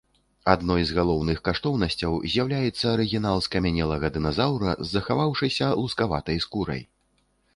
Адной з галоўных каштоўнасцяў з'яўляецца арыгінал скамянелага дыназаўра з захаваўшайся лускаватай скурай.